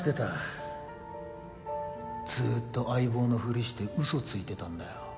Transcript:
ずっと相棒のふりしてうそついてたんだよ